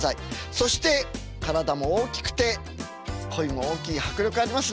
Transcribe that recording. そして体も大きくて声も大きい迫力ありますね。